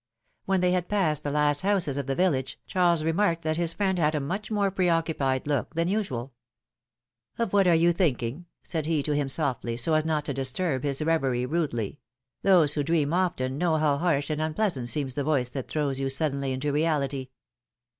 When they had passed the last houses of the village, Charles remarked that his friend had a much more pre occupied look than usual. ^^Of what are you thinking?" said he to him softly, so as not to disturb his reverie rudely; those who dream philom^:ne's makeiages. 165 often know how harsh and unpleasant seems the voice that throws you suddenly into reality.